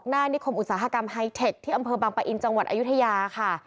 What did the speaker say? นิคมอุตสาหกรรมไฮเทคที่อำเภอบางปะอินจังหวัดอายุทยาค่ะ